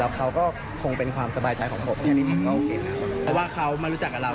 แล้วเขาก็คงเป็นความสบายใจของผมอืมแล้วเขามารู้จักกับเรา